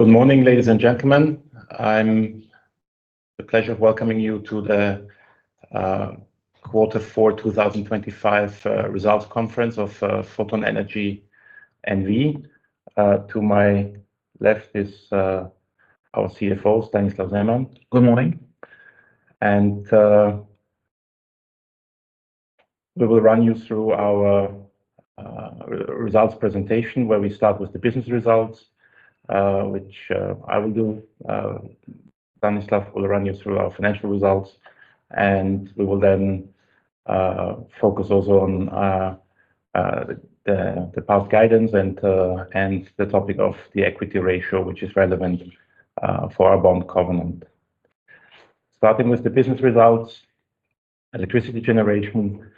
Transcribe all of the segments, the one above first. Good morning, ladies and gentlemen. I have the pleasure of welcoming you to the quarter four 2025 results conference of Photon Energy N.V. To my left is our CFO, Stanislav Zeman. Good morning. We will run you through our results presentation, where we start with the business results, which I will do. Stanislav will run you through our financial results, and we will then focus also on the path guidance and the topic of the equity ratio, which is relevant for our bond covenant. Starting with the business results, electricity generation,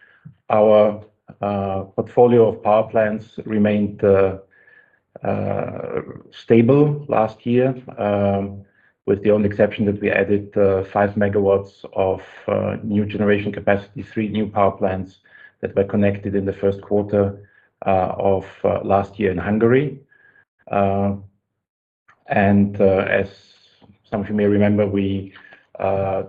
our portfolio of power plants remained stable last year, with the only exception that we added 5 MW of new generation capacity, three new power plants that were connected in the Q1 of last year in Hungary. As some of you may remember, we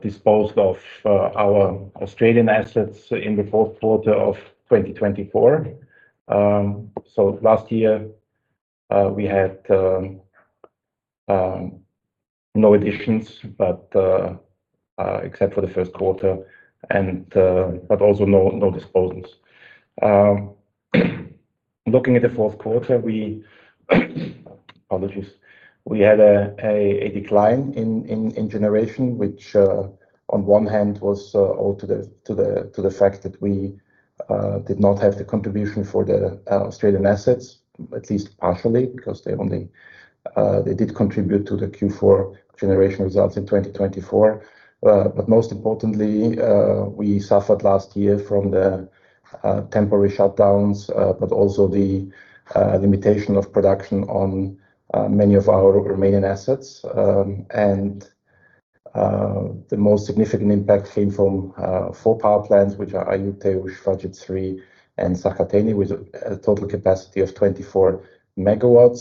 disposed of our Australian assets in the Q4 of 2024. Um, so last year, uh, we had, um, um, no additions, but, uh, uh, except for the Q1 and, uh, but also no, no disposals. Um, looking at Q4, we, apologies, we had a, a, a decline in, in, in generation, which, uh, on one hand, was, uh, all to the, to the, to the fact that we, uh, did not have the contribution for the, uh, Australian assets, at least partially, because they only, uh... they did contribute to the Q4 generation results in twenty twenty-four. Uh, but most importantly, uh, we suffered last year from the, uh, temporary shutdowns, uh, but also the, uh, limitation of production on, uh, many of our Romanian assets. Um, and, uh, the most significant impact came from, uh, four power plants, which are Aiud, Teiuș, Făget 3, and Săhăteni, with a total capacity of 24 MW.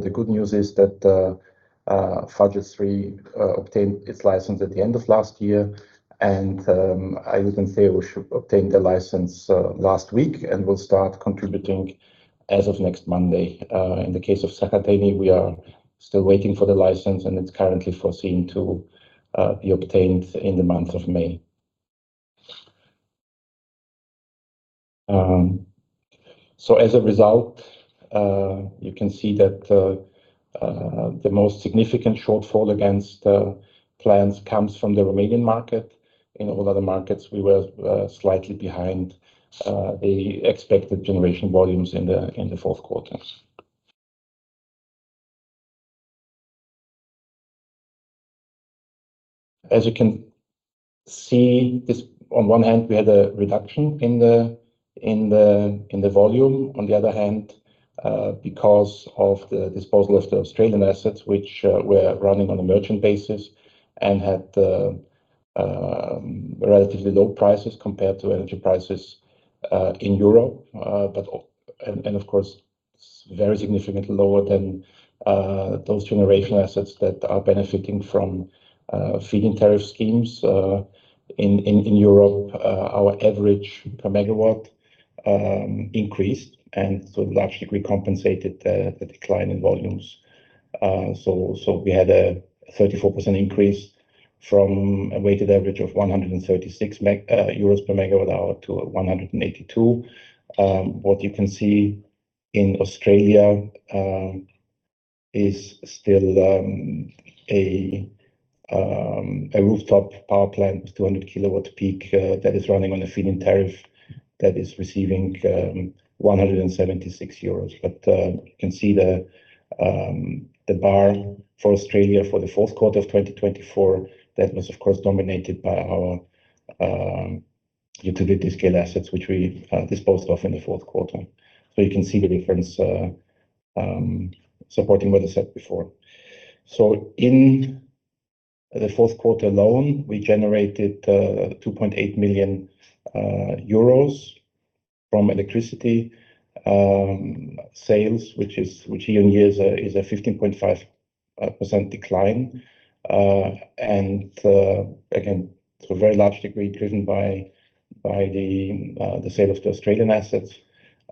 The good news is that Făget 3 obtained its license at the end of last year, and Aiud and Teiuș obtained the license last week and will start contributing as of next Monday. In the case of Săhăteni, we are still waiting for the license, and it's currently foreseen to be obtained in the month of May. As a result, you can see that the most significant shortfall against plans comes from the Romanian market. In all other markets, we were slightly behind the expected generation volumes in the Q4. As you can see, this on one hand, we had a reduction in the volume. On the other hand, because of the disposal of the Australian assets, which were running on a merchant basis and had relatively low prices compared to energy prices in Europe, Of course, very significantly lower than those generation assets that are benefiting from feed-in tariff schemes in Europe. Our average per megawatt increased and to a large degree, compensated the decline in volumes. We had a 34% increase from a weighted average of 136 euros per megawatt hour to 182. What you can see in Australia is still a rooftop power plant, 200 kilowatt peak, that is running on a feed-in tariff, that is receiving 176 euros. You can see the the bar for Australia for the Q4 of 2024, that was, of course, dominated by our utility scale assets, which we disposed of in the Q4. You can see the difference supporting what I said before. In the Q4 alone, we generated 2.8 million euros from electricity sales, which is, which year-over-year is a is a 15.5% decline. Again, to a very large degree, driven by the sale of the Australian assets,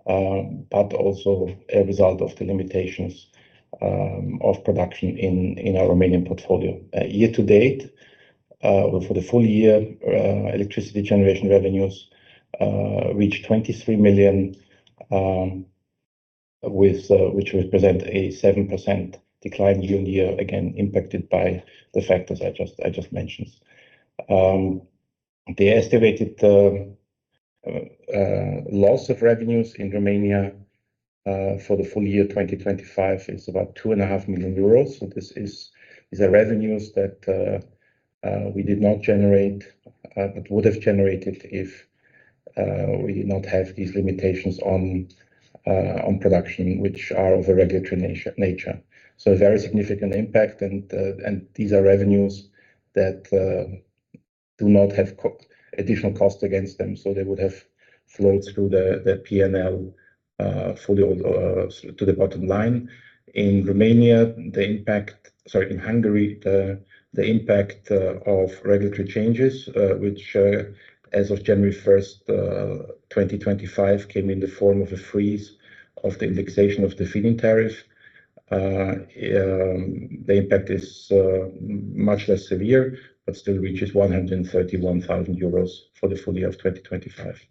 but also a result of the limitations of production in our Romanian portfolio. Year to date, for the full year, electricity generation revenues reached EUR 23 million, which represent a 7% decline year-on-year, again, impacted by the factors I just mentioned. The estimated loss of revenues in Romania for the full year 2025, is about two and a half million EUR. This is the revenues that we did not generate, but would have generated if we did not have these limitations on production, which are of a regulatory nature. A very significant impact, and these are revenues that do not have additional cost against them, so they would have flowed through the P&L fully on to the bottom line. In Romania, Sorry, in Hungary, the impact of regulatory changes, which, as of January 1st, 2025, came in the form of a freeze of the indexation of the feed-in tariff. The impact is much less severe, but still reaches 131,000 euros for the full year of 2025.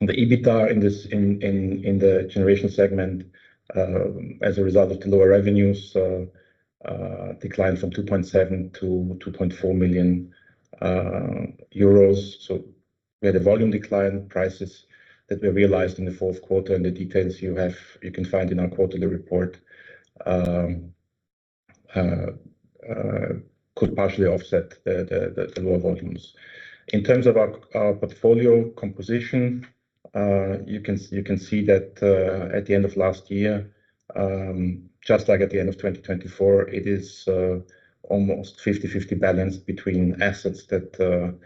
The EBITDA in the generation segment, as a result of the lower revenues, declined from 2.7 million to 2.4 million euros. We had a volume decline. Prices that were realized in the Q4, and the details you have, you can find in our quarterly report, could partially offset the lower volumes. In terms of our portfolio composition, you can see that at the end of last year, just like at the end of 2024, it is almost 50/50 balance between assets that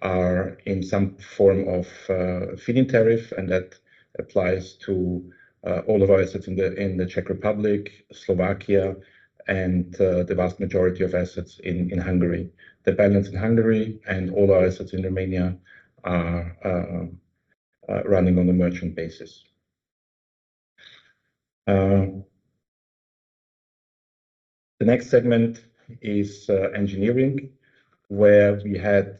are in some form of feed-in tariff, and that applies to all of our assets in the Czech Republic, Slovakia, and the vast majority of assets in Hungary. The balance in Hungary and all our assets in Romania are running on a merchant basis. The next segment is engineering, where we had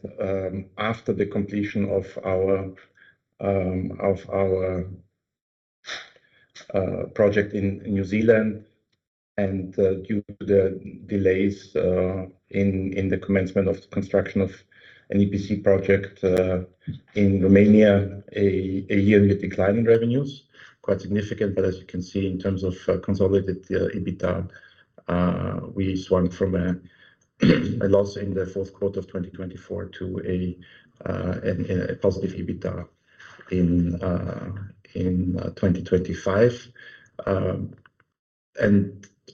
after the completion of our project in New Zealand and due to the delays in the commencement of the construction of an EPC project in Romania, a year-on-year decline in revenues. Quite significant, but as you can see, in terms of consolidated EBITDA, we swung from a loss in the Q4 of 2024 to a positive EBITDA in 2025.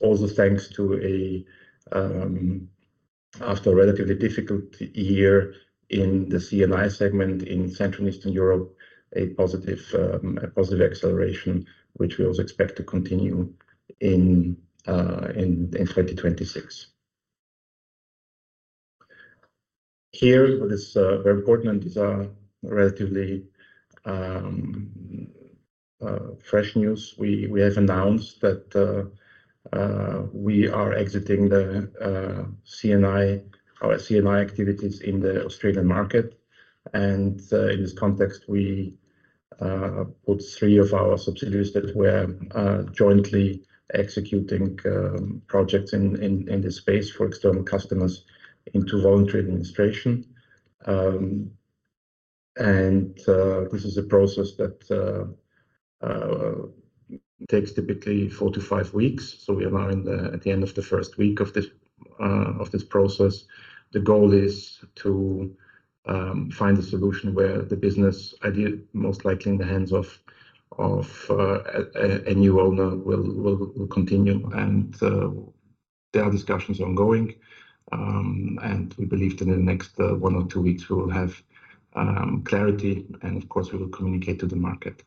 Also thanks to a, after a relatively difficult year in the C&I segment in Central and Eastern Europe, a positive acceleration, which we also expect to continue in 2026. Here, this very important, is a relatively fresh news. We have announced that we are exiting our C&I activities in the Australian market. In this context, we put three of our subsidiaries that were jointly executing projects in this space for external customers into voluntary administration. This is a process that takes typically four to five weeks, so we are now at the end of the first week of this process. The goal is to find a solution where the business idea, most likely in the hands of a new owner, will continue. There are discussions ongoing, and we believe that in the next one or two weeks, we will have clarity, and of course, we will communicate to the market.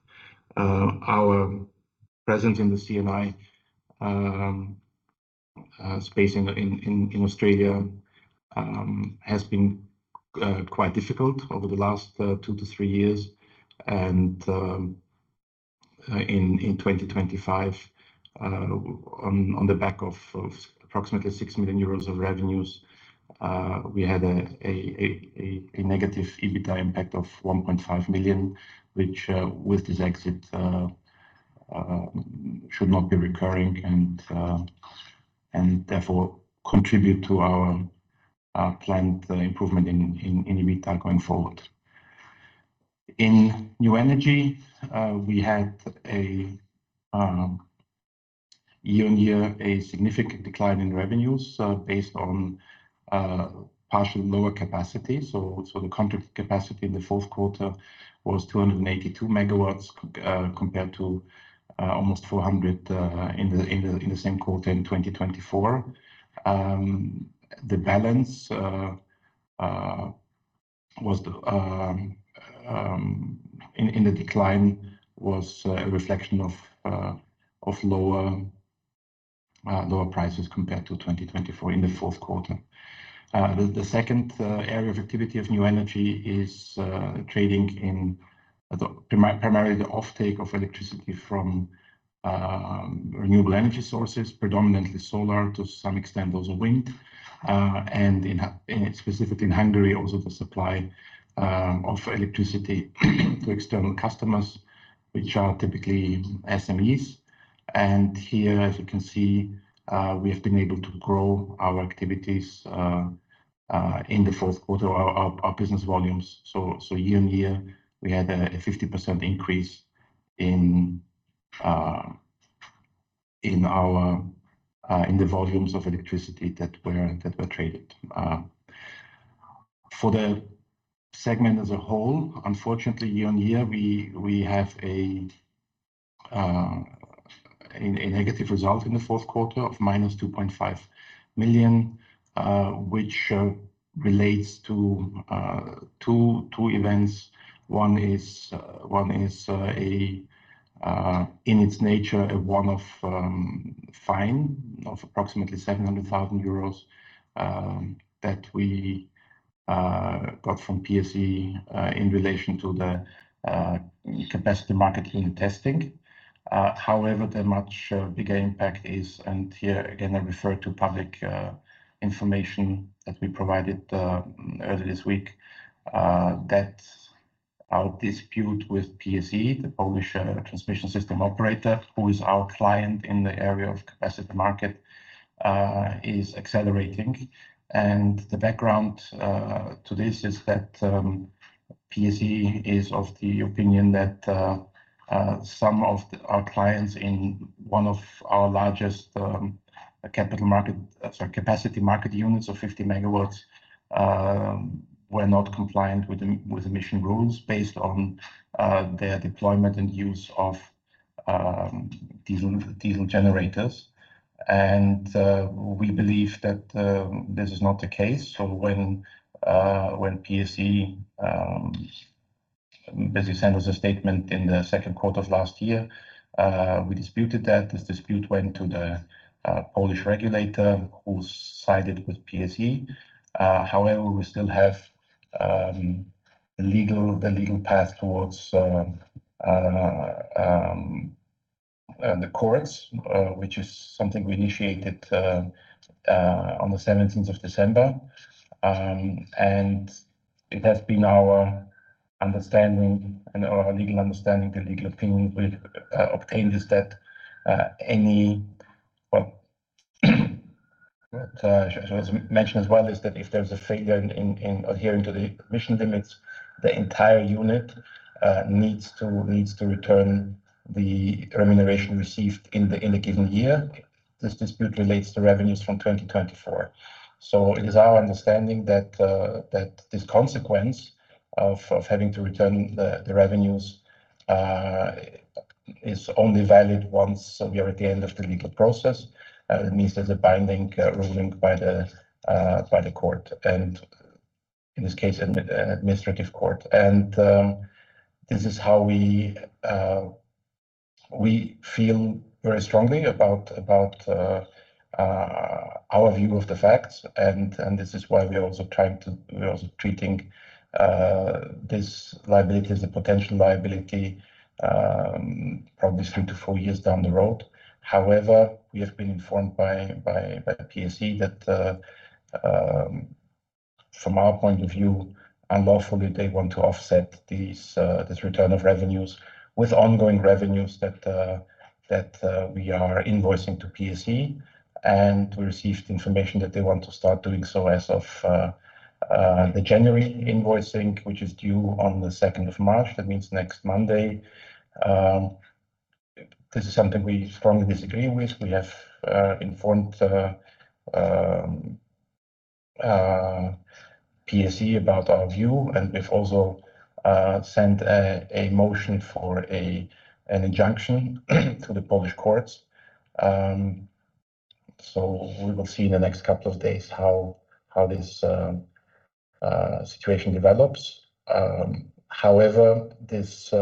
Our presence in the C&I space in Australia has been quite difficult over the last two, three years. In 2025, on the back of approximately 6 million euros of revenues, we had a negative EBITDA impact of 1.5 million, which with this exit should not be recurring and therefore contribute to our planned improvement in EBITDA going forward. In new energy, we had a year-on-year, a significant decline in revenues, based on partial lower capacity. The contract capacity in the Q4 was 282 MW compared to almost 400 in the same quarter in 2024. The balance was the in the decline, was a reflection of lower prices compared to 2024 in the Q4. The second area of activity of new energy is trading in primarily the offtake of electricity from renewable energy sources, predominantly solar, to some extent, also wind. In specifically in Hungary, also the supply of electricity to external customers, which are typically SMEs. Here, as you can see, we have been able to grow our activities in the Q4, our business volumes. Year-on-year, we had a 50% increase in our in the volumes of electricity that were traded. For the segment as a whole, unfortunately, year-on-year, we have a negative result in the Q4 of -2.5 million, which relates to two events. One is, in its nature, a one of, fine of approximately 700,000 euros, that we got from PSE in relation to the capacity marketing and testing. However, the much bigger impact is, here again, I refer to public information that we provided earlier this week, that our dispute with PSE, the Polish Transmission System Operator, who is our client in the area of capacity market, is accelerating. The background to this is that PSE is of the opinion that some of our clients in one of our largest capacity market units of 50MW were not compliant with emission rules based on their deployment and use of diesel generators. We believe that this is not the case. When PSE basically sent us a statement in the Q2 of last year, we disputed that. This dispute went to the Polish regulator, who sided with PSE. However, we still have the legal path towards the courts, which is something we initiated on the 17th of December. It has been our understanding and our legal understanding, the legal opinion we obtained, is that. Well, what should mention as well, is that if there's a failure in adhering to the emission limits, the entire unit needs to return the remuneration received in a given year. This dispute relates to revenues from 2024. It is our understanding that this consequence of having to return the revenues is only valid once we are at the end of the legal process. It means there's a binding ruling by the court, and in this case, an administrative court. This is how we feel very strongly about our view of the facts. This is why we are also treating this liability as a potential liability, probably three to four years down the road. However, we have been informed by PSE that, from our point of view, unlawfully, they want to offset these this return of revenues with ongoing revenues that we are invoicing to PSE. We received information that they want to start doing so as of the January invoicing, which is due on the 2nd of March. That means next Monday. This is something we strongly disagree with. We have informed PSE about our view, and we've also sent a motion for an injunction to the Polish courts. We will see in the next couple of days how this situation develops. However, this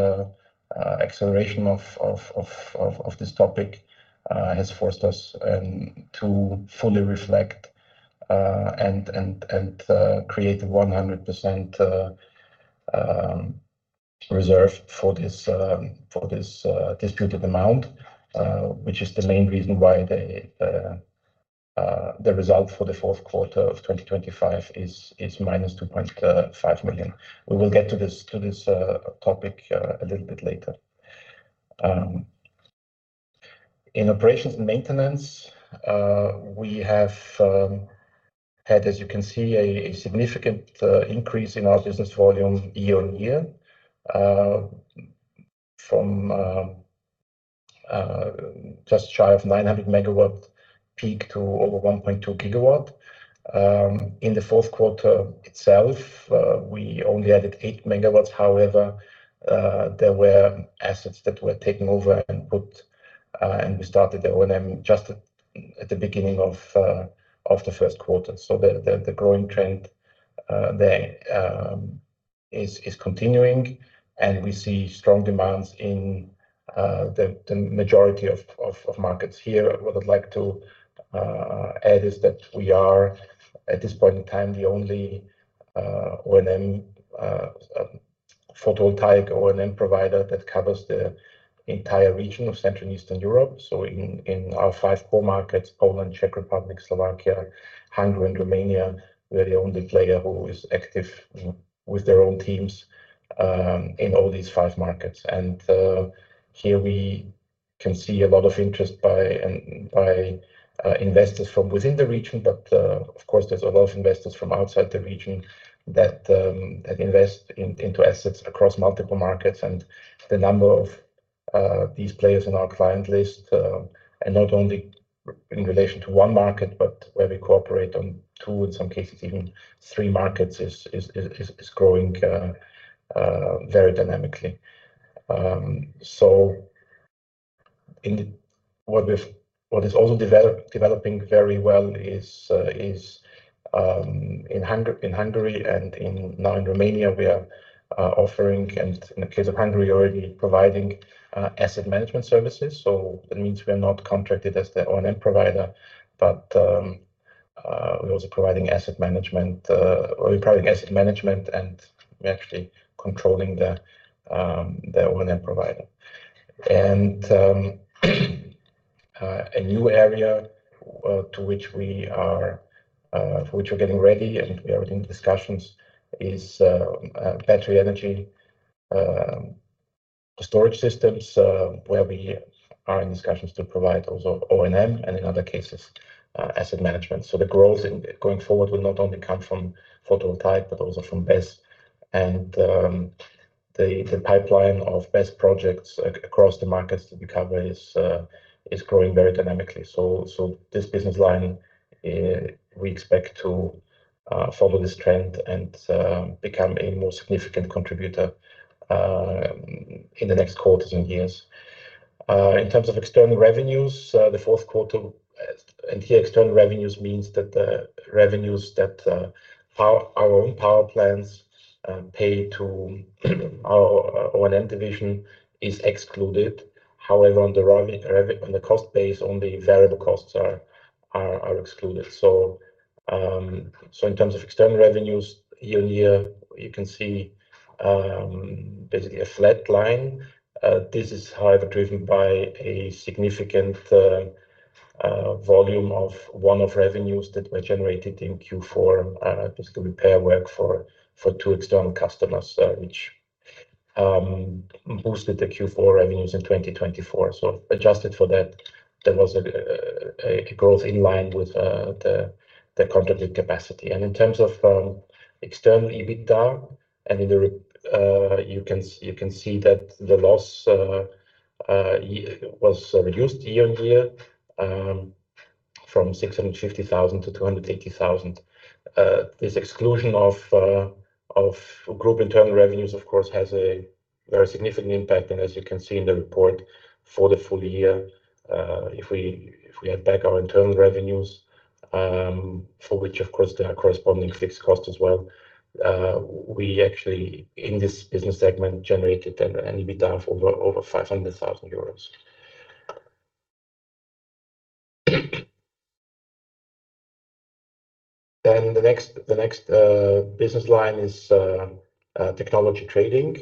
acceleration of this topic has forced us to fully reflect and create 100% reserve for this disputed amount, which is the main reason why the result for the Q4 of 2025 is -2.5 million. We will get to this topic a little bit later. In operations and maintenance, we have had, as you can see, a significant increase in our business volume year-over-year. From just shy of 900 megawatt-peak to over 1.2 gigawatt. In the Q4 itself, we only added 8 MW. There were assets that were taken over and we started the O&M just at the beginning of Q1. The growing trend there is continuing, and we see strong demands in the majority of markets here. What I'd like to add is that we are, at this point in time, the only O&M photovoltaic O&M provider that covers the entire region of Central and Eastern Europe. In our five core markets, Poland, Czech Republic, Slovakia, Hungary, and Romania, we are the only player who is active with their own teams in all these five markets. Here we can see a lot of interest by investors from within the region, but of course, there's a lot of investors from outside the region that invest into assets across multiple markets. The number of these players on our client list are not only in relation to one market, but where we cooperate on two, in some cases, even three markets, is growing very dynamically. What is also developing very well is in Hungary and now in Romania, we are offering, and in the case of Hungary, already providing asset management services. That means we are not contracted as the O&M provider, but we're also providing asset management, or we're providing asset management, and we're actually controlling the O&M provider. A new area to which we are, for which we're getting ready, and we are in discussions, is battery energy storage systems, where we are in discussions to provide also O&M and in other cases, asset management. The growth in going forward will not only come from photovoltaic, but also from BESS. The pipeline of BESS projects across the markets that we cover is growing very dynamically. This business line, we expect to follow this trend and become a more significant contributor in the next quarters and years. In terms of external revenues, the Q4, and here, external revenues means that the revenues that our own power plants, pay to, our O&M division is excluded. However, on the cost base, only variable costs are excluded. In terms of external revenues, year-on-year, you can see basically a flat line. This is however, driven by a significant volume of one-off revenues that were generated in Q4, basically repair work for two external customers, which boosted the Q4 revenues in 2024. Adjusted for that, there was a growth in line with the contracted capacity. In terms of external EBITDA and in the you can see that the loss was reduced year-on-year from 650,000 to 280,000. This exclusion of group internal revenues, of course, has a very significant impact. As you can see in the report, for the full year, if we add back our internal revenues, for which of course, there are corresponding fixed costs as well, we actually, in this business segment, generated an EBITDA of over EUR 500,000. The next business line is technology trading,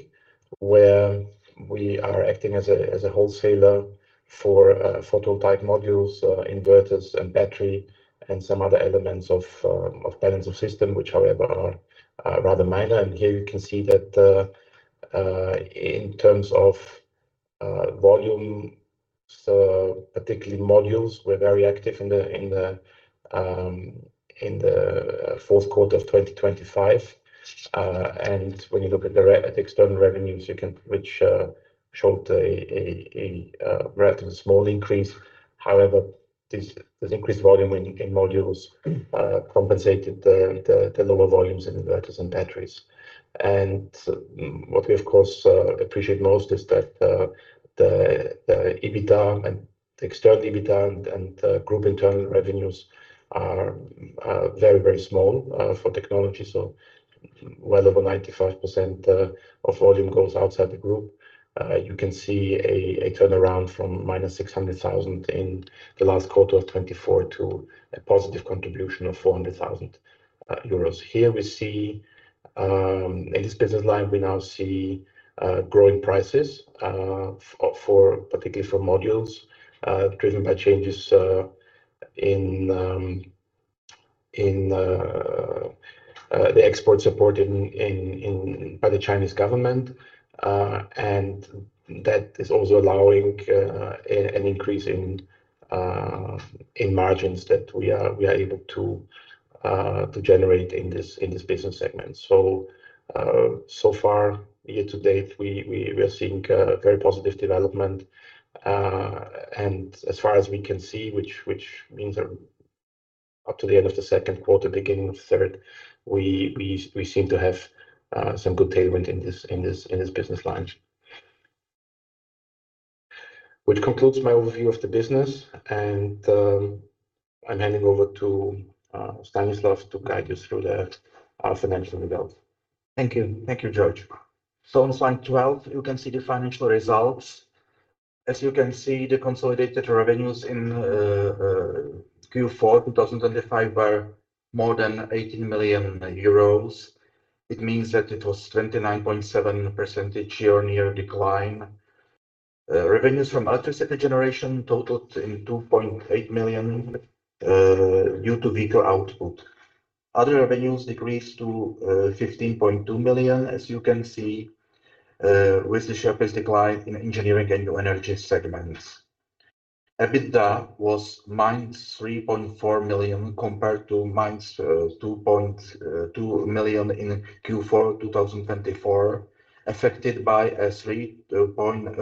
where we are acting as a wholesaler for photovoltaic modules, inverters and battery, and some other elements of balance of system, which, however, are rather minor. Here you can see that in terms of volume, so particularly modules, we're very active in the Q4 of 2025. When you look at the external revenues, which showed a relatively small increase. However, this increased volume in modules compensated the lower volumes in inverters and batteries. What we, of course, appreciate most is that the EBITDA and the external EBITDA and group internal revenues are very, very small for technology. Well over 95% of volume goes outside the group. You can see a turnaround from minus 600,000 in the last quarter of 2024 to a positive contribution of 400,000 euros. Here we see in this business line, we now see growing prices for particularly for modules, driven by changes in the export support by the Chinese government. That is also allowing an increase in margins that we are able to generate in this business segment. So far, year to date, we are seeing very positive development. As far as we can see, which means are up to the end of Q2, beginning of third, we seem to have some good tailwind in this business line. Which concludes my overview of the business, and I'm handing over to Stanislav to guide you through the financial results. Thank you. Thank you, George. On slide 12, you can see the financial results. As you can see, the consolidated revenues in Q4 2025 were more than 18 million euros. It means that it was 29.7% year-on-year decline. Revenues from electricity generation totaled in 2.8 million due to weaker output. Other revenues decreased to 15.2 million, as you can see, with the sharpest decline in engineering and new energy segments. EBITDA was minus 3.4 million, compared to minus 2.2 million in Q4 2024, affected by a 3.3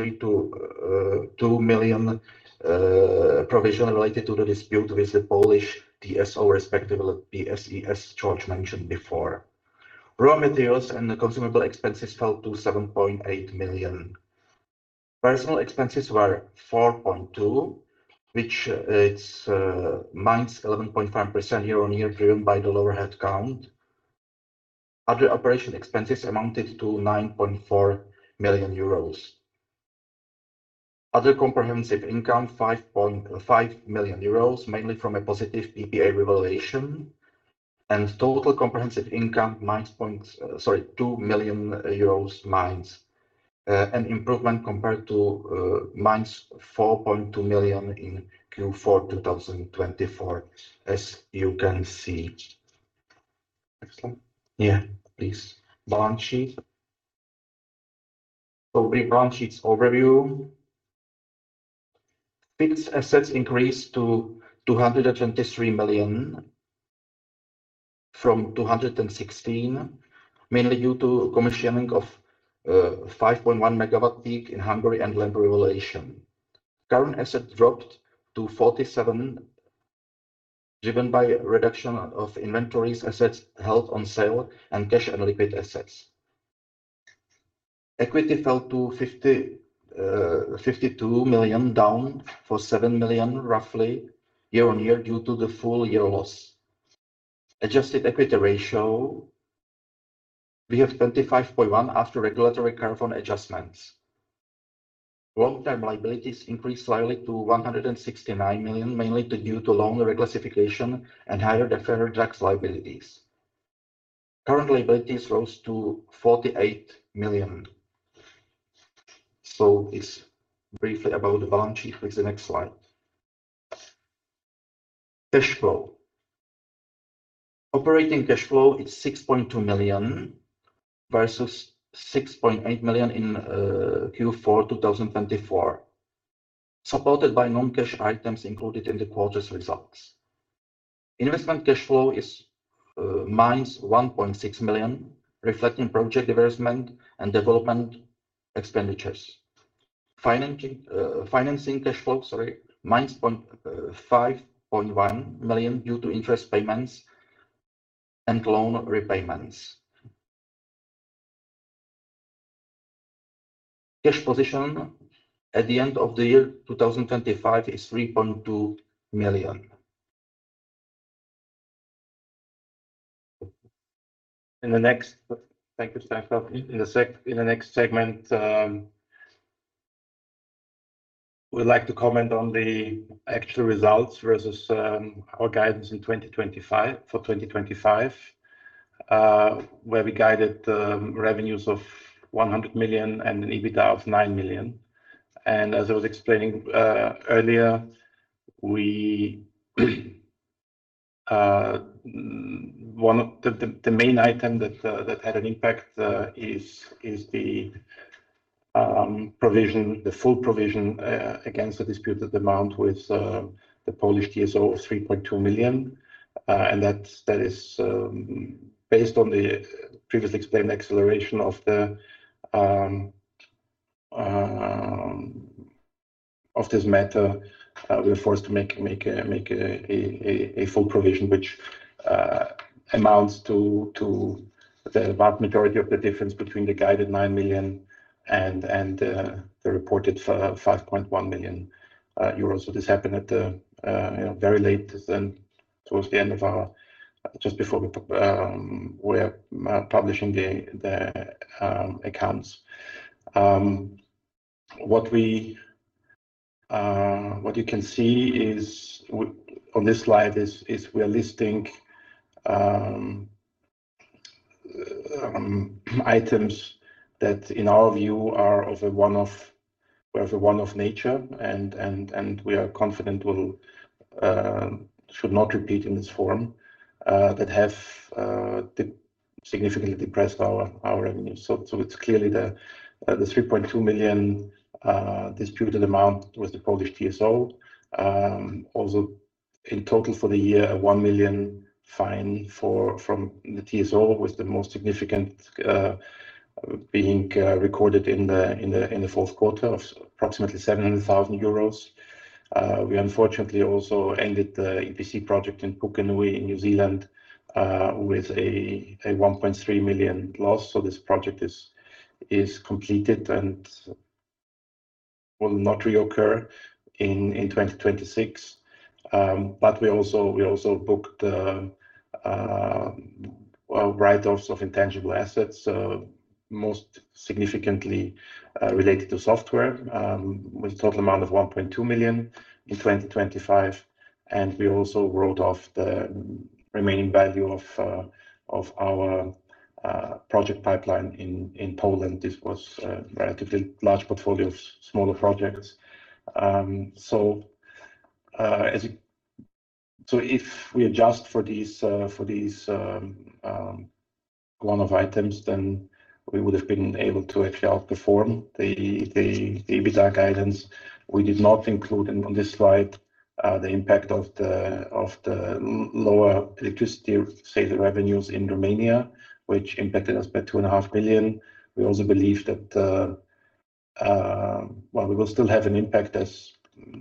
million-2 million provision related to the dispute with the Polish TSO, respectively, PSE, as George mentioned before. Raw materials and the consumable expenses fell to 7.8 million. Personal expenses were 4.2 million, which it's -11.5% year-on-year, driven by the lower headcount. Other operation expenses amounted to 9.4 million euros. Other comprehensive income, 5.5 million euros, mainly from a positive PPA revaluation. Total comprehensive income, minus 2 million euros, an improvement compared to minus 4.2 million in Q4 2024, a you can see. Next slide. Yeah, please. Balance sheet. Balance sheets overview. Fixed assets increased to 223 million from 216 million, mainly due to commissioning of 5.1 megawatt-peak in Hungary and land revaluation. Current assets dropped to 47 million, driven by a reduction of inventories, assets held on sale and cash and liquid assets. Equity fell to 52 million, down for 7 million, roughly year-on-year, due to the full year loss. Adjusted equity ratio, we have 25.1% after regulatory carve-out adjustments. Long-term liabilities increased slightly to 169 million, mainly due to loan reclassification and higher deferred tax liabilities. Current liabilities rose to EUR 48 million. This briefly about the balance sheet. Please, the next slide. Cash flow. Operating cash flow is 6.2 million, versus 6.8 million in Q4 2024, supported by non-cash items included in the quarter's results. Investment cash flow is minus 1.6 million, reflecting project divestment and development expenditures. Financing cash flow, sorry, minus 5.1 million, due to interest payments and loan repayments. Cash position at the end of the year 2025 is 3.2 million. Thank you, Stanislav. In the next segment, we'd like to comment on the actual results versus our guidance in 2025, for 2025, where we guided the revenues of 100 million and an EBITDA of 9 million. As I was explaining earlier, we... One of the main item that had an impact, is the provision, the full provision against the disputed amount with the Polish TSO of 3.2 million. That is based on the previously explained acceleration of the matter, we're forced to make a full provision, which amounts to the vast majority of the difference between the guided 9 million and the reported 5.1 million euros. This happened at the, you know, very late and towards the end of our. Just before we are publishing the accounts. What you can see on this slide is we are listing items that, in our view, are of a one-off nature, and we are confident will should not repeat in this form, that have significantly depressed our revenues. It's clearly the 3.2 million EUR disputed amount with the Polish TSO. Also in total for the year, a 1 million fine from the TSO, with the most significant being recorded in the Q4 of approximately 700,000 euros. We unfortunately also ended the EPC project in Pukenui, in New Zealand, with a 1.3 million loss. This project is completed and will not reoccur in 2026. We also booked the write-offs of intangible assets, most significantly related to software, with a total amount of 1.2 million in 2025. We also wrote off the remaining value of our project pipeline in Poland. This was a relatively large portfolio of smaller projects. If we adjust for these one-off items, then we would have been able to actually outperform the EBITDA guidance. We did not include in on this slide the impact of the lower electricity sales revenues in Romania, which impacted us by 2.5 million. We also believe that well, we will still have an impact, as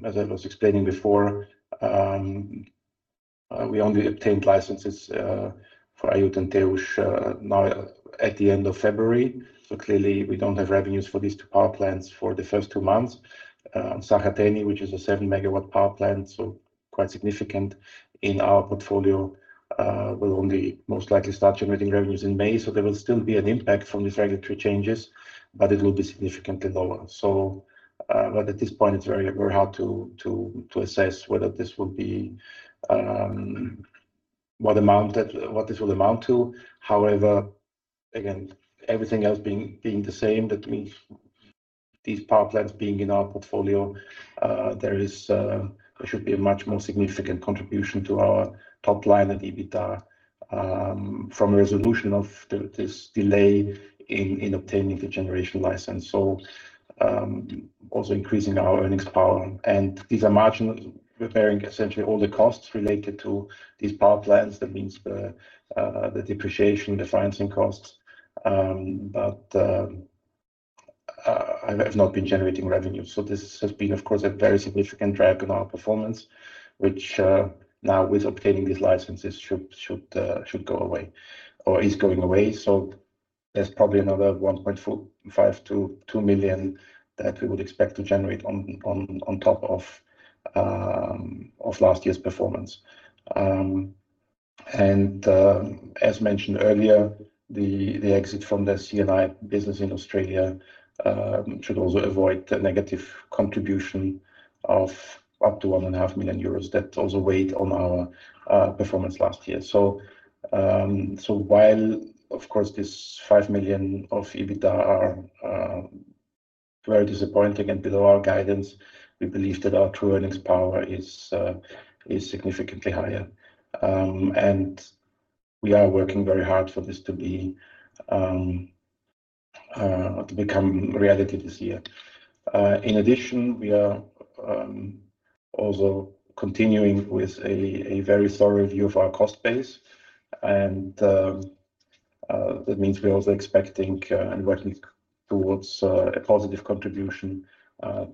I was explaining before. We only obtained licenses for Aiud and Teiuș now at the end of February. Clearly, we don't have revenues for these two power plants for the first two months. Săhăteni, which is a 7 MW power plant, quite significant in our portfolio, will only most likely start generating revenues in May. There will still be an impact from these regulatory changes, but it will be significantly lower. At this point, it's very, very hard to, to assess whether this will be what this will amount to. However, again, everything else being the same, that means these power plants being in our portfolio, there should be a much more significant contribution to our top line and EBITDA from a resolution of the, this delay in obtaining the generation license. Also increasing our earnings power. These are marginal, preparing essentially all the costs related to these power plants. That means the depreciation, the financing costs, but have not been generating revenue. This has been, of course, a very significant drag on our performance, which, now with obtaining these licenses, should go away or is going away. There's probably another 1.5 million-2 million that we would expect to generate on top of last year's performance. As mentioned earlier, the exit from the C&I business in Australia should also avoid a negative contribution of up to 1.5 million euros that also weighed on our performance last year. While, of course, this 5 million of EBITDA are very disappointing and below our guidance, we believe that our true earnings power is significantly higher. We are working very hard for this to become reality this year. In addition, we are also continuing with a very thorough review of our cost base. That means we are also expecting and working towards a positive contribution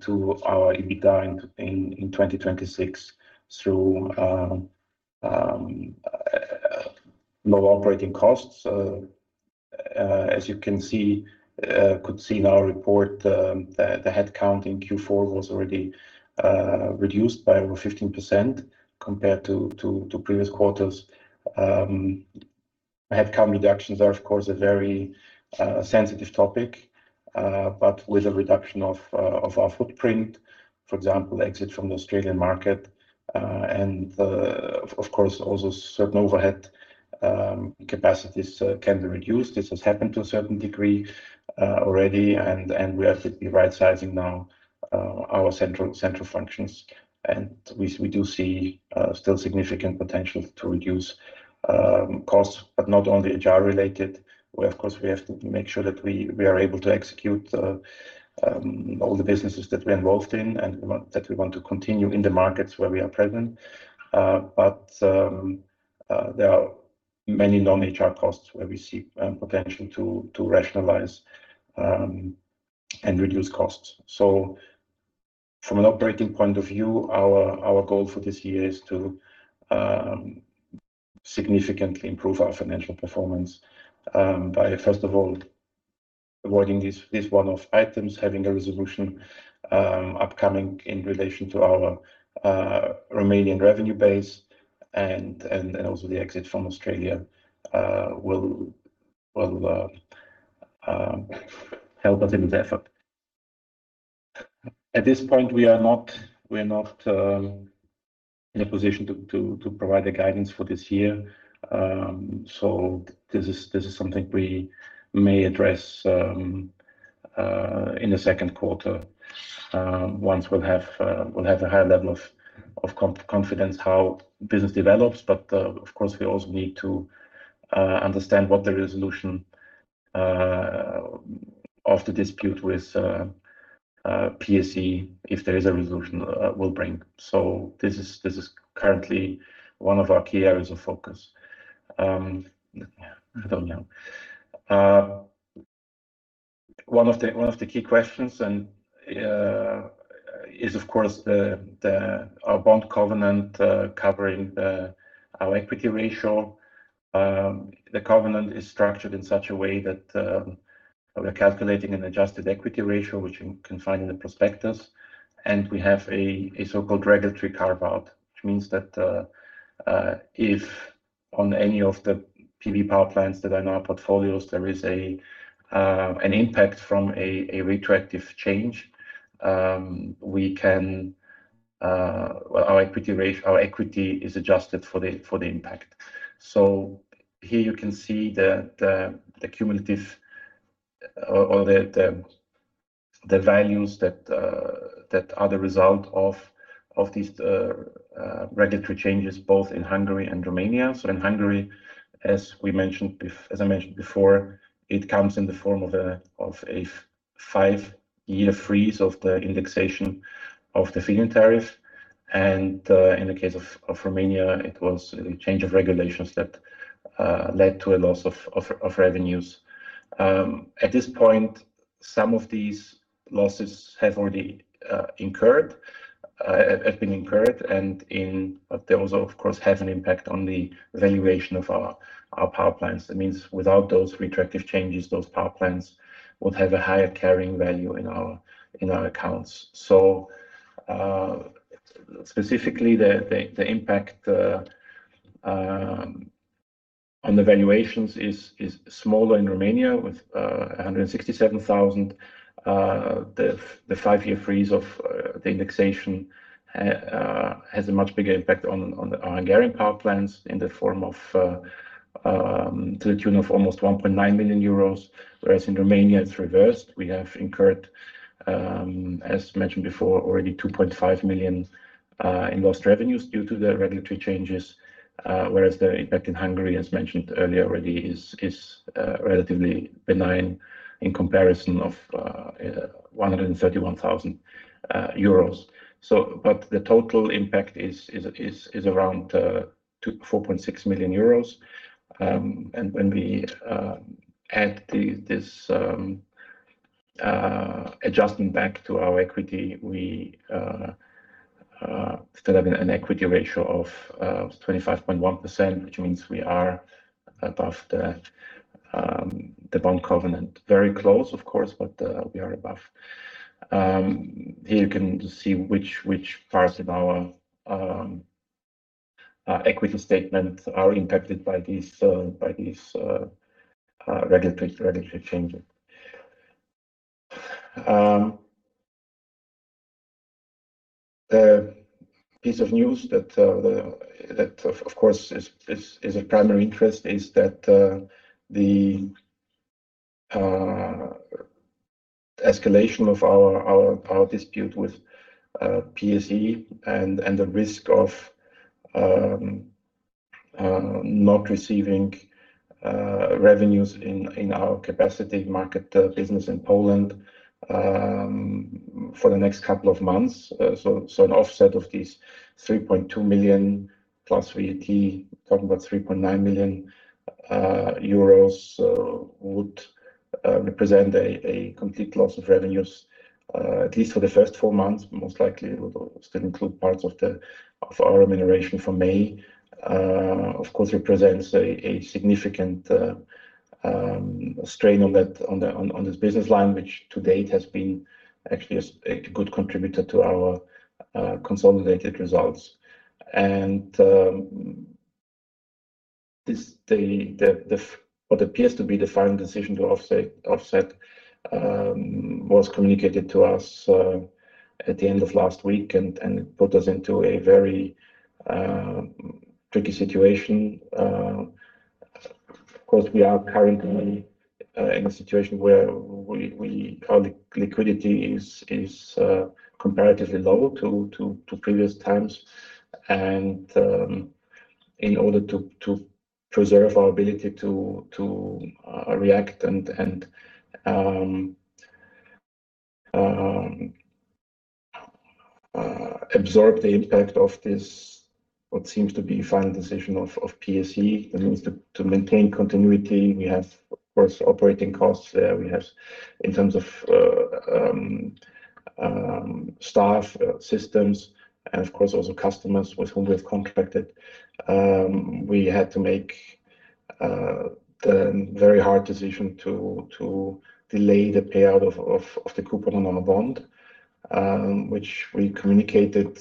to our EBITDA in 2026 through lower operating costs. As you can see, could see in our report, the headcount in Q4 was already reduced by over 15% compared to previous quarters. Headcount reductions are, of course, a very sensitive topic, but with a reduction of our footprint, for example, exit from the Australian market, and of course, also certain overhead capacities can be reduced. This has happened to a certain degree already, and we are simply rightsizing now our central functions, and we do see still significant potential to reduce costs, but not only HR-related. We, of course, we have to make sure that we are able to execute all the businesses that we are involved in and that we want to continue in the markets where we are present. There are many non-HR costs where we see potential to rationalize and reduce costs. From an operating point of view, our goal for this year is to significantly improve our financial performance, by first of all, avoiding this one-off items, having a resolution upcoming in relation to our Romanian revenue base, and also the exit from Australia will help us in the effort. At this point, we are not in a position to provide a guidance for this year. This is something we may address in the Q2, once we'll have a higher level of confidence how business develops. Of course, we also need to understand what the resolution of the dispute with PSE, if there is a resolution, will bring. This is currently one of our key areas of focus. I don't know. One of the key questions and is, of course, our bond covenant covering our equity ratio. The covenant is structured in such a way that we are calculating an adjusted equity ratio, which you can find in the prospectus, and we have a so-called regulatory carve-out, which means that if on any of the PV power plants that are in our portfolios, there is an impact from a retroactive change, we can. Our equity is adjusted for the impact. Here you can see the cumulative, or the values that are the result of these regulatory changes, both in Hungary and Romania. In Hungary, as I mentioned before, it comes in the form of a five year freeze of the indexation of the feed-in tariff. In the case of Romania, it was a change of regulations that led to a loss of revenues. At this point, some of these losses have already incurred, have been incurred, and they also, of course, have an impact on the valuation of our power plants. That means without those retroactive changes, those power plants would have a higher carrying value in our accounts. Specifically, the impact on the valuations is smaller in Romania, with 167,000. The five-year freeze of the indexation has a much bigger impact on the Hungarian power plants in the form of to the tune of almost 1.9 million euros, whereas in Romania, it's reversed. We have incurred, as mentioned before, already 2.5 million in lost revenues due to the regulatory changes, whereas the impact in Hungary, as mentioned earlier already, is relatively benign in comparison of 131,000 euros. But the total impact is around 2-4.6 million euros. When we add this adjustment back to our equity, we still have an equity ratio of 25.1%, which means we are above the bond covenant. Very close, of course, we are above. Here you can see which parts of our equity statement are impacted by these regulatory changes. The piece of news that, of course, is of primary interest is that the escalation of our dispute with PSE and the risk of not receiving revenues in our capacity market business in Poland for the next couple of months. An offset of these 3.2 million plus VAT, talking about 3.9 million euros would represent a complete loss of revenues at least for the first four months. Most likely, it would still include parts of the, of our remuneration for May. Of course, represents a significant strain on the, on this business line, which to date has been actually a good contributor to our consolidated results. This, what appears to be the final decision to offset was communicated to us at the end of last week, and it put us into a very tricky situation. Of course, we are currently in a situation where we... our liquidity is comparatively low to previous times. In order to preserve our ability to react and absorb the impact of this, what seems to be final decision of PSE, that means to maintain continuity, we have, of course, operating costs there. We have, in terms of staff, systems, and of course, also customers with whom we have contracted. We had to make the very hard decision to delay the payout of the coupon on the bond, which we communicated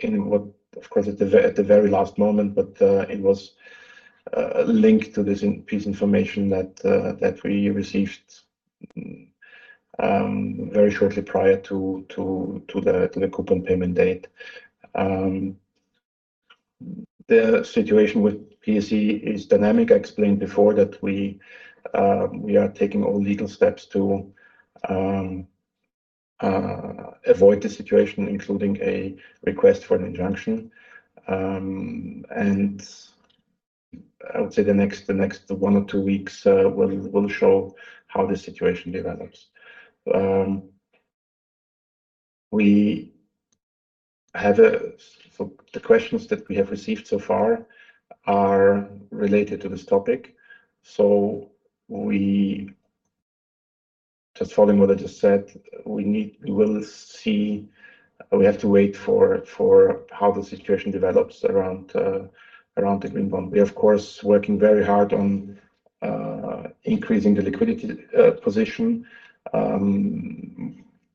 in what, of course, at the very last moment, but it was linked to this piece of information that we received very shortly prior to the coupon payment date. The situation with PSE is dynamic. I explained before that we are taking all legal steps to avoid the situation, including a request for an injunction. I would say the next one or two weeks will show how the situation develops. The questions that we have received so far are related to this topic. Just following what I just said, we will see, we have to wait for how the situation develops around the green bond. We are, of course, working very hard on increasing the liquidity position.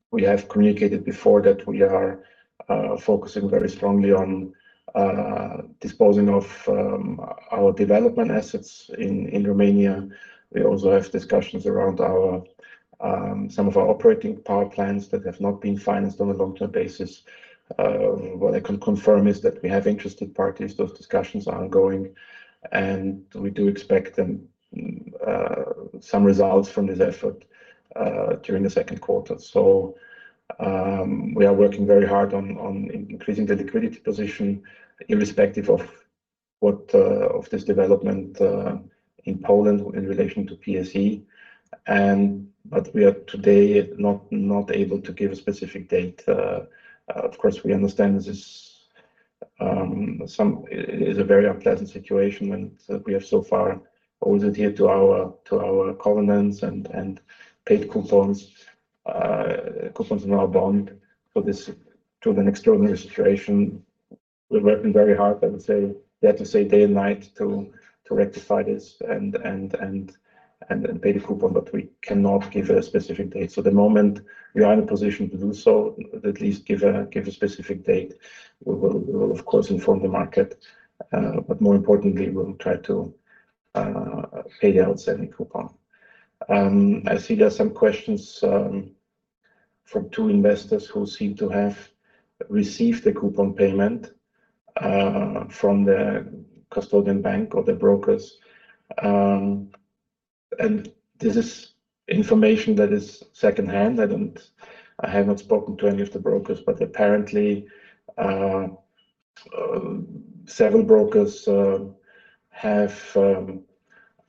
We have communicated before that we are focusing very strongly on disposing off our development assets in Romania. We also have discussions around our, some of our operating power plants that have not been financed on a long-term basis. What I can confirm is that we have interested parties. Those discussions are ongoing, and we do expect some results from this effort during the Q2. We are working very hard on increasing the liquidity position, irrespective of this development in Poland in relation to PSE, and but we are today not able to give a specific date. Of course, we understand this is a very unpleasant situation, and we have so far adhered to our covenants and paid coupons in our bond for this to an extraordinary situation. We're working very hard, I would say, dare to say, day and night to rectify this and pay the coupon, but we cannot give a specific date. The moment we are in a position to do so, at least give a specific date, we will, of course, inform the market, but more importantly, we will try to pay the outstanding coupon. I see there are some questions from two investors who seem to have received a coupon payment from the custodian bank or the brokers. This is information that is secondhand. I have not spoken to any of the brokers, but apparently, several brokers have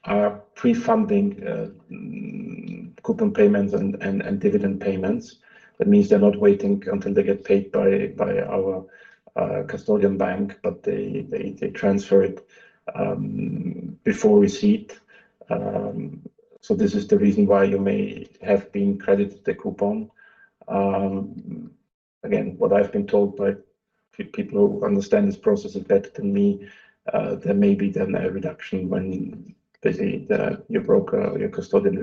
are pre-funding coupon payments and dividend payments. That means they're not waiting until they get paid by our custodian bank, but they transfer it before receipt. This is the reason why you may have been credited the coupon. Again, what I've been told by people who understand this process better than me, there may be then a reduction when basically, your broker or your custodian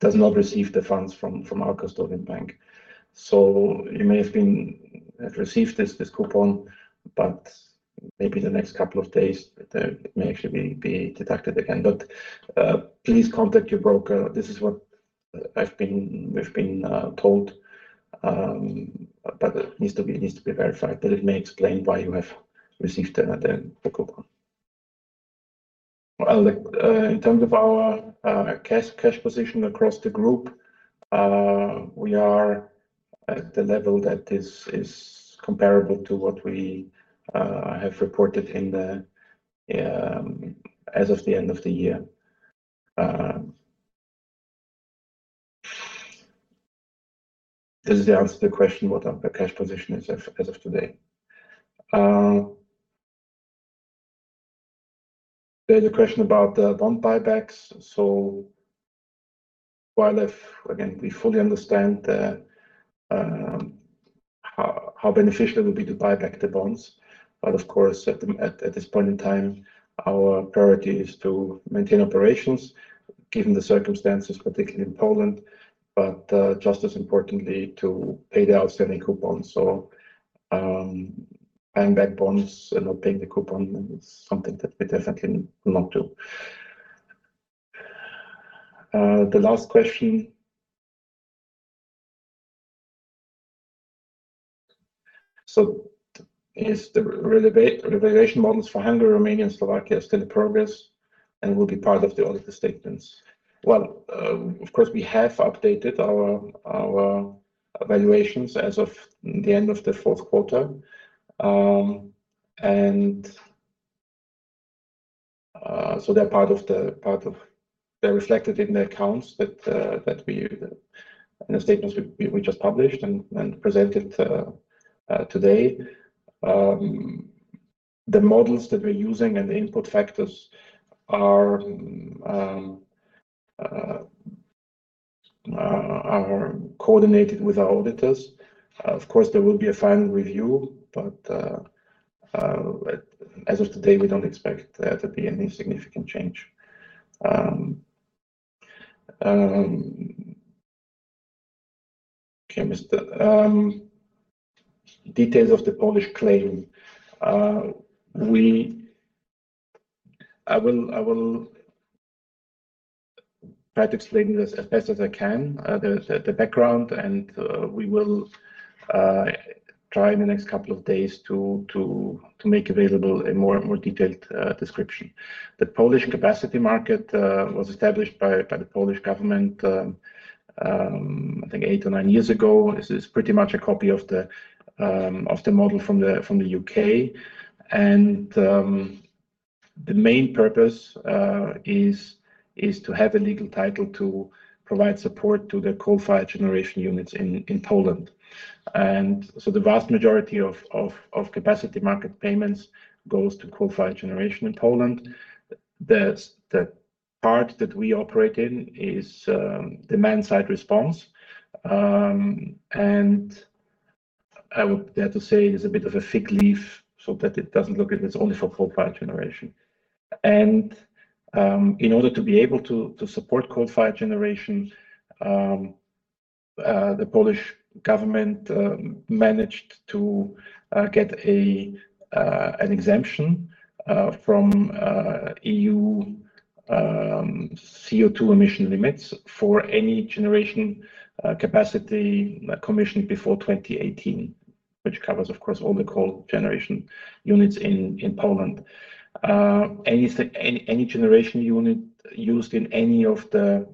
does not receive the funds from our custodian bank. You may have been received this coupon, but maybe in the next couple of days, it may actually be deducted again. Please contact your broker. This is what we've been told, it needs to be verified, it may explain why you have received the coupon. Well, in terms of our cash position across the group, we are at the level that is comparable to what we have reported as of the end of the year. This is the answer to the question, what our cash position is as of today. There's a question about the bond buybacks. While again, we fully understand how beneficial it would be to buy back the bonds, but of course, at this point in time, our priority is to maintain operations, given the circumstances, particularly in Poland, but just as importantly, to pay the outstanding coupons. Paying back bonds and not paying the coupon is something that we definitely not do. The last question. Is the revaluation models for Hungary, Romania, and Slovakia still in progress and will be part of the audited statements? Well, of course, we have updated our valuations as of the end of the Q4. They're reflected in the accounts that we, in the statements we just published and presented today. The models that we're using and the input factors are coordinated with our auditors. Of course, there will be a final review, as of today, we don't expect there to be any significant change. Okay, Mr... details of the Polish claim. I will try to explain this as best as I can, the background, and we will try in the next couple of days to make available a more detailed description. The Polish capacity market was established by the Polish government eight or nine years ago. It's pretty much a copy of the model from the U.K. The main purpose is to have a legal title to provide support to the coal-fired generation units in Poland. The vast majority of capacity market payments goes to coal-fired generation in Poland. The part that we operate in is demand side response. I would dare to say, is a bit of a fig leaf, so that it doesn't look it's only for coal-fired generation. In order to be able to support coal-fired generation, the Polish government managed to get an exemption from EU CO2 emission limits for any generation capacity commissioned before 2018, which covers, of course, all the coal generation units in Poland. Any generation unit used in any of the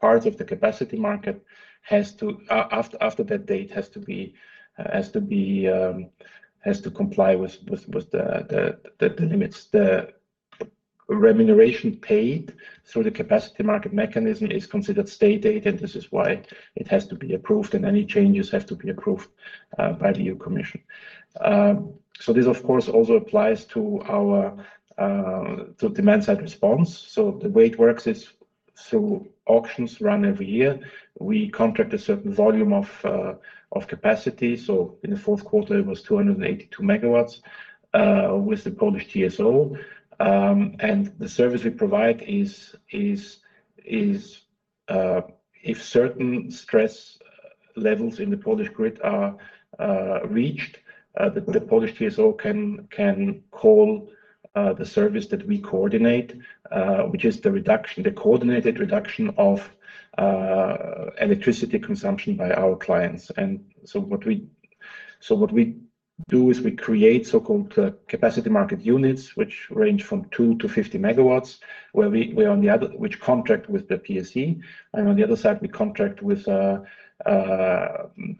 parts of the capacity market has to, after that date, has to comply with the limits. The remuneration paid through the capacity market mechanism is considered state aid. This is why it has to be approved, and any changes have to be approved by the EU Commission. This, of course, also applies to our demand-side response. The way it works is auctions run every year. We contract a certain volume of capacity. In the Q4, it was 282 MW with the Polish TSO. The service we provide is if certain stress levels in the Polish grid are reached, the Polish TSO can call the service that we coordinate, which is the coordinated reduction of electricity consumption by our clients. What we do is we create so-called capacity market units, which range from two to 50 MWs. Which contract with the PSE, and on the other side, we contract with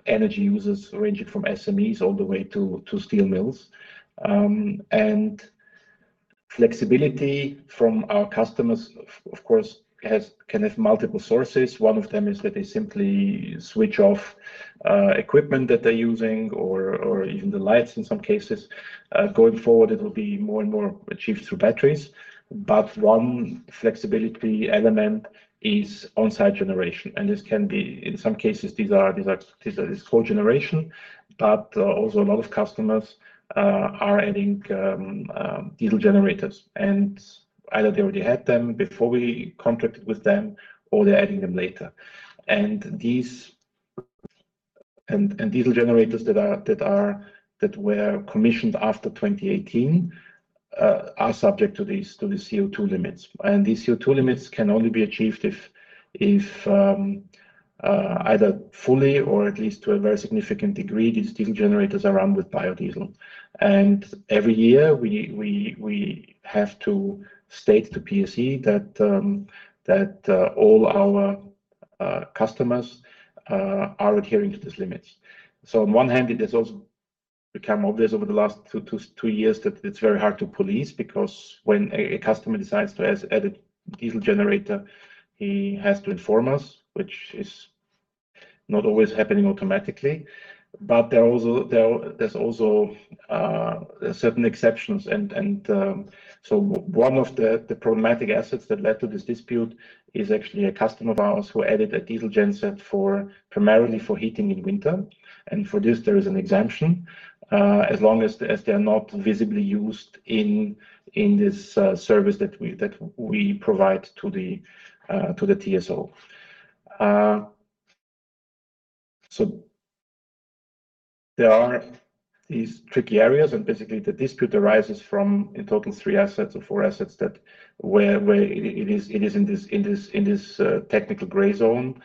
energy users, ranging from SMEs all the way to steel mills. Flexibility from our customers, of course, can have multiple sources. One of them is that they simply switch off equipment that they're using or even the lights in some cases. Going forward, it will be more and more achieved through batteries, but one flexibility element is on-site generation, and this can be, in some cases, these are co-generation, but also a lot of customers are adding diesel generators. Either they already had them before we contracted with them, or they're adding them later. These diesel generators that were commissioned after 2018 are subject to the CO₂ limits. These CO₂ limits can only be achieved if either fully or at least to a very significant degree, these diesel generators are run with biodiesel. Every year, we have to state to PSE that all our customers are adhering to these limits. On one hand, it has also become obvious over the last two years that it's very hard to police, because when a customer decides to add a diesel generator, he has to inform us, which is not always happening automatically. There are also certain exceptions. One of the problematic assets that led to this dispute is actually a customer of ours who added a diesel gen set for, primarily for heating in winter. For this, there is an exemption as long as they are not visibly used in this service that we provide to the TSO. There are these tricky areas, and basically, the dispute arises from, in total, three assets or four assets that where it is in this technical gray zone,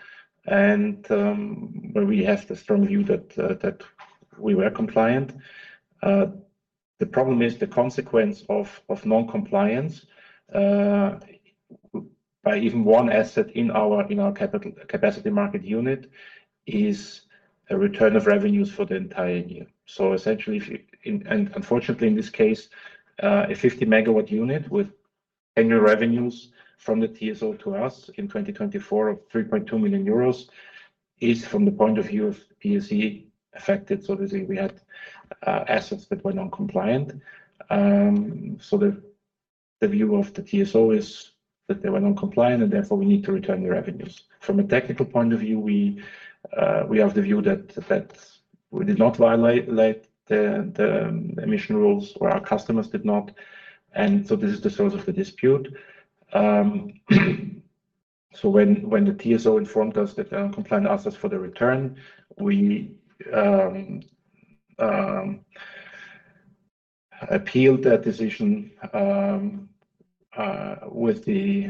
where we have the strong view that we were compliant. The problem is the consequence of non-compliance by even one asset in our capacity market unit, is a return of revenues for the entire year. Essentially, unfortunately, in this case, a 50 MW unit with annual revenues from the TSO to us in 2024 of 3.2 million euros, is from the point of view of PSE, affected. Obviously, we had assets that were non-compliant. The view of the TSO is that they were non-compliant, therefore, we need to return the revenues. From a technical point of view, we have the view that we did not violate the emission rules or our customers did not, this is the source of the dispute. When the TSO informed us that they were non-compliant, asked us for the return, we appealed that decision with the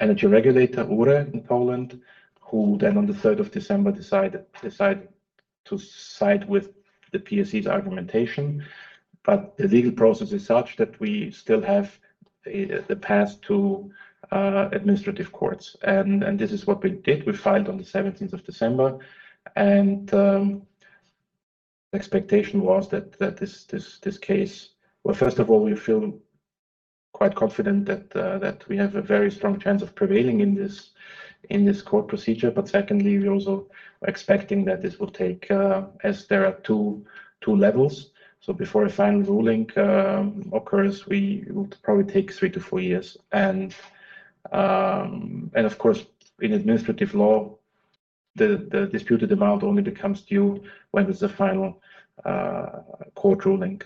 energy regulator, URE, in Poland, who on the 3rd of December, decided to side with the PSE's argumentation. The legal process is such that we still have the path to administrative courts. This is what we did. We filed on the 17th of December, expectation was that this case... Well, first of all, we feel quite confident that we have a very strong chance of prevailing in this court procedure. Secondly, we're also expecting that this will take, as there are two levels. Before a final ruling occurs, it would probably take three to four years. Of course, in administrative law, the disputed amount only becomes due when there's a final court ruling.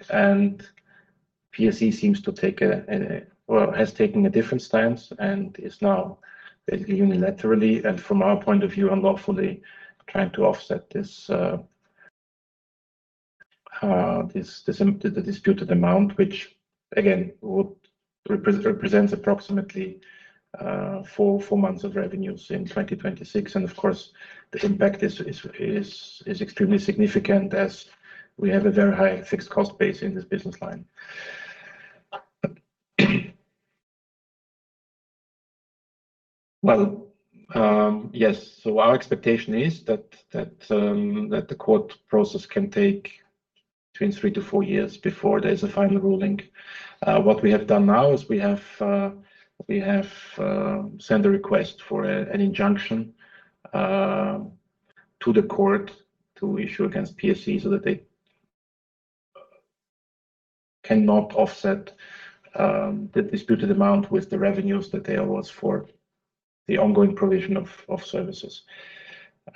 PSE seems to take a... Well, has taken a different stance and is now basically unilaterally, and from our point of view, unlawfully trying to offset this, the disputed amount, which, again, represents approximately, four months of revenues in 2026. Of course, the impact is extremely significant as we have a very high fixed cost base in this business line. Well, yes. Our expectation is that the court process can take between three, four years before there's a final ruling. What we have done now is we have sent a request for an injunction to the court to issue against PSE so that they cannot offset the disputed amount with the revenues that they awards for the ongoing provision of services.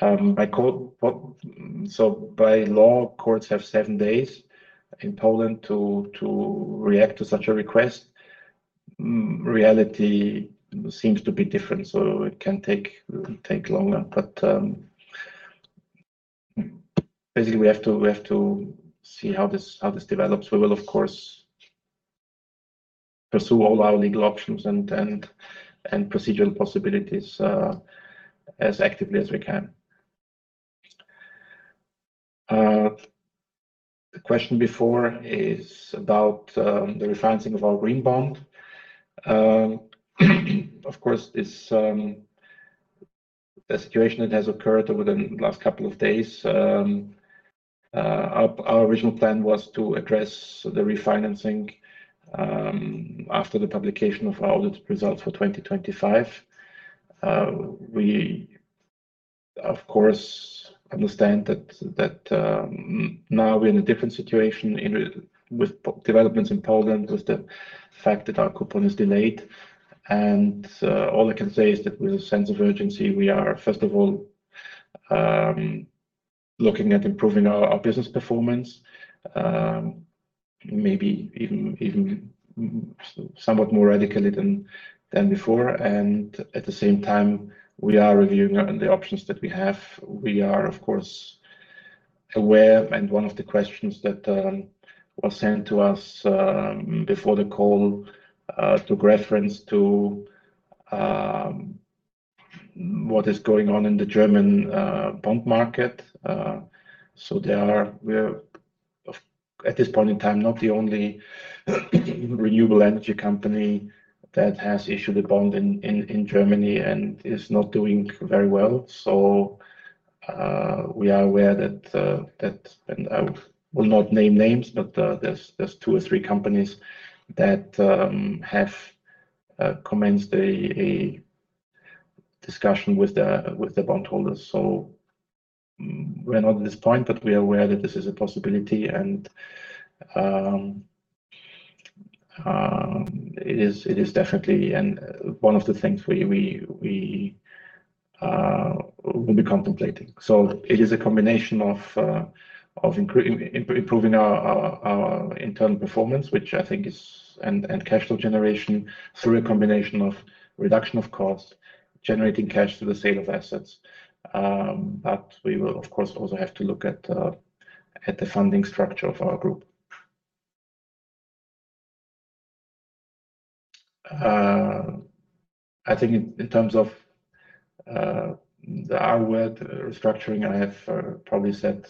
By court, so by law, courts have seven days in Poland to react to such a request. Reality seems to be different, so it can take longer. Basically, we have to see how this develops. We will, of course, pursue all our legal options and procedural possibilities as actively as we can. The question before is about the refinancing of our green bond. Of course, it's a situation that has occurred within the last couple of days. Our original plan was to address the refinancing after the publication of our audit results for 2025. We, of course, understand that now we're in a different situation with developments in Poland, with the fact that our coupon is delayed. All I can say is that with a sense of urgency, we are, first of all, looking at improving our business performance, maybe even somewhat more radically than before. At the same time, we are reviewing the options that we have. We are, of course, aware, and one of the questions that was sent to us before the call took reference to what is going on in the German bond market. There are... We're, at this point in time, not the only renewable energy company that has issued a bond in Germany and is not doing very well. We are aware that, and I will not name names, but there's two or three companies that have commenced a discussion with the bondholders. We're not at this point, but we are aware that this is a possibility, and it is definitely and one of the things we will be contemplating. It is a combination of improving our internal performance, which I think is and cash flow generation through a combination of reduction of cost, generating cash through the sale of assets. We will, of course, also have to look at the funding structure of our group. I think in terms of the R word, restructuring, I have probably said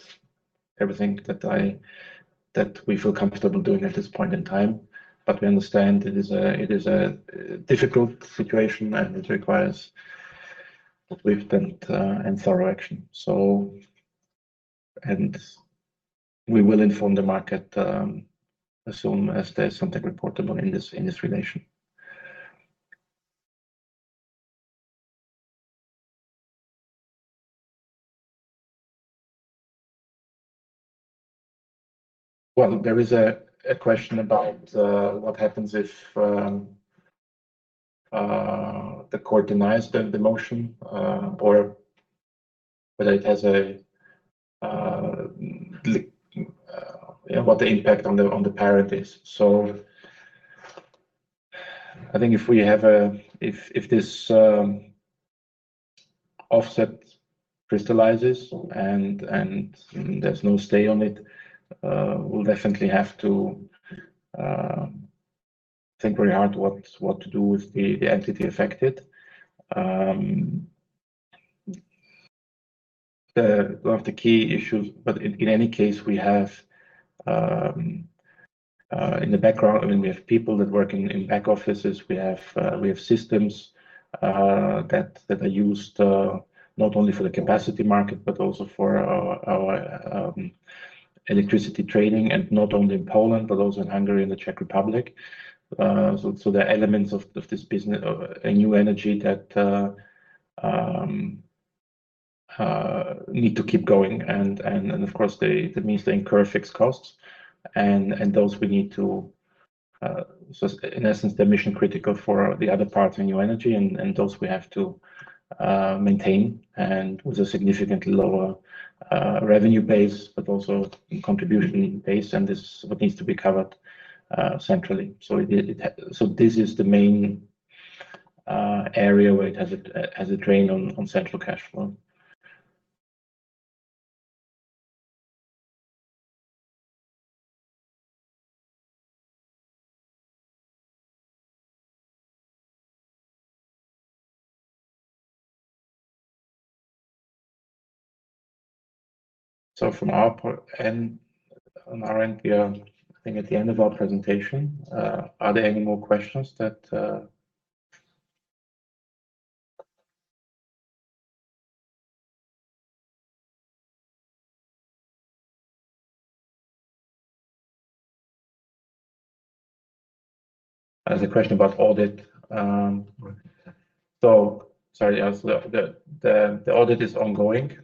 everything that we feel comfortable doing at this point in time, but we understand it is a difficult situation, and it requires swift and thorough action. We will inform the market as soon as there's something reportable in this relation. Well, there is a question about what happens if the court denies the motion or whether it has a what the impact on the parent is. I think if this offset crystallizes and there's no stay on it, we'll definitely have to think very hard what to do with the entity affected. One of the key issues, in any case, we have, I mean, we have people that work in back offices. We have systems that are used not only for the capacity market, but also for our electricity trading, not only in Poland, but also in Hungary and the Czech Republic. So there are elements of this business, of a new energy that need to keep going, and of course, they, that means they incur fixed costs, and those we need to, so in essence, they're mission-critical for the other parts of new energy, and those we have to maintain, and with a significantly lower revenue base, but also contribution base, and this is what needs to be covered centrally. It, so this is the main area where it has a drain on central cash flow. From our part, and on our end, we are, I think, at the end of our presentation. Are there any more questions that? There's a question about audit. Sorry, the audit is ongoing.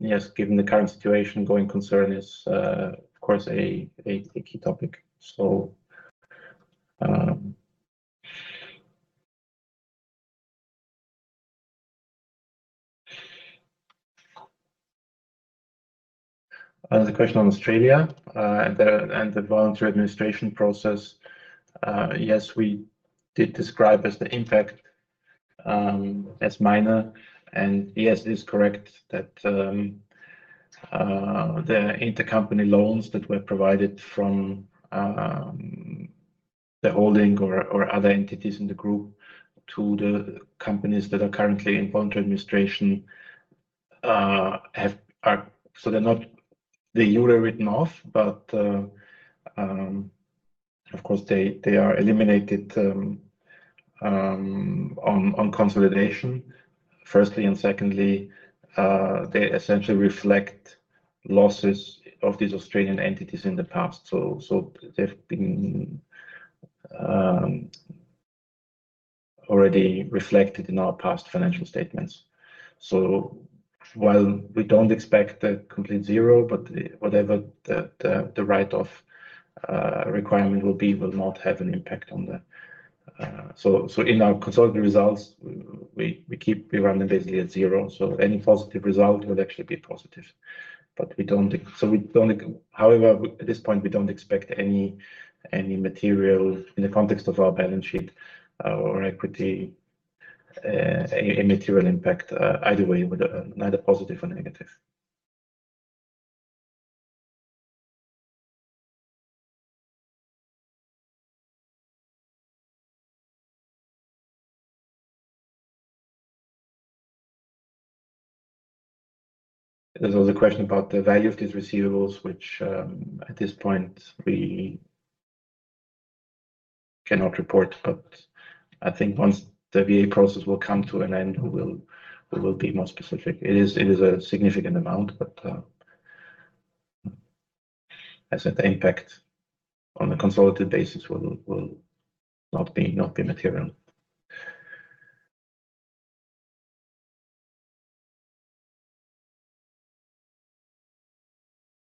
Given the current situation, going concern is, of course, a key topic. Another question on Australia and the voluntary administration process. Yes, we did describe as the impact as minor, and yes, it is correct that the intercompany loans that were provided from the holding or other entities in the group to the companies that are currently in voluntary administration, so they're not the euro written off, but, of course, they are eliminated on consolidation, firstly, and secondly, they essentially reflect losses of these Australian entities in the past. They've been already reflected in our past financial statements. While we don't expect a complete zero, but whatever the write-off requirement will be, will not have an impact on that. In our consolidated results, we keep we running basically at zero, so any positive result will actually be positive. We don't however, at this point, we don't expect any material in the context of our balance sheet, or equity, any material impact, either way, with neither positive or negative. There was a question about the value of these receivables, which, at this point, we cannot report, but I think once the VA process will come to an end, we will be more specific. It is a significant amount, but, as at the impact on the consolidated basis will not be material.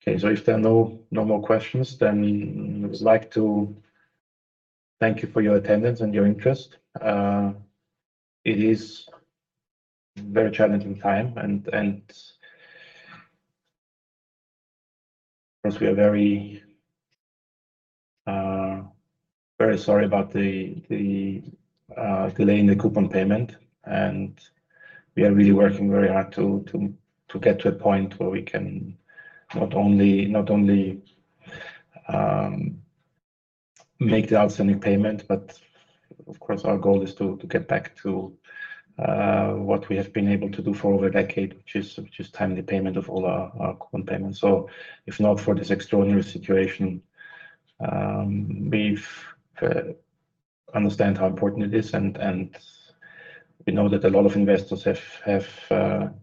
If there are no more questions, then I would like to thank you for your attendance and your interest. It is very challenging time, and of course, we are very sorry about the delaying the coupon payment, and we are really working very hard to get to a point where we can not only make the outstanding payment, but of course, our goal is to get back to what we have been able to do for over a decade, which is timely payment of all our coupon payments. If not for this extraordinary situation, we've understand how important it is, and we know that a lot of investors have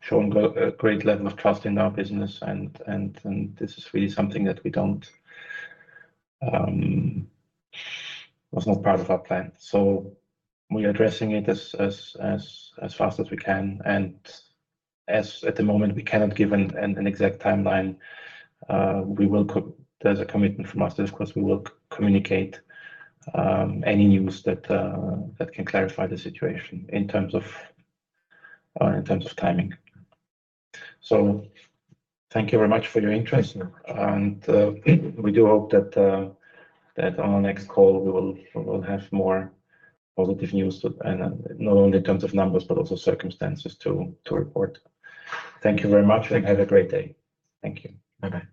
shown a great level of trust in our business, and this is really something that we don't was not part of our plan. We are addressing it as fast as we can, and as at the moment, we cannot give an exact timeline. There's a commitment from us that, of course, we will communicate any news that can clarify the situation in terms of timing. Thank you very much for your interest, and we do hope that on our next call, we will have more positive news to. Not only in terms of numbers, but also circumstances to report. Thank you very much. Have a great day. Thank you. Bye-bye.